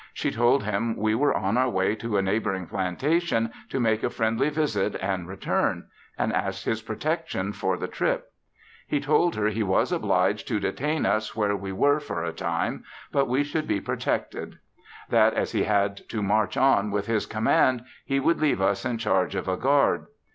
She told him we were on our way to a neighboring plantation to make a friendly visit and return, and asked his protection for the trip. He told her he was obliged to detain us where we were for a time, but we should be protected. That as he had to march on with his command he would leave us in charge of a guard.